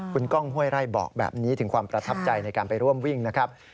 คุณก้องห้วยไร่บอกแบบนี้ถึงความประทับใจในการไปร่วมวิ่งนะครับ